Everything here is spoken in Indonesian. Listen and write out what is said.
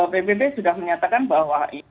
bbb sudah menyatakan bahwa